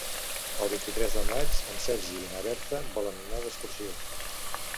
El vint-i-tres de maig en Sergi i na Berta volen anar d'excursió.